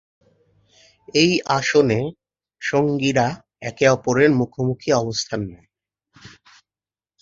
এই আসনে, সঙ্গীরা একে অপরের মুখোমুখি অবস্থান নেয়।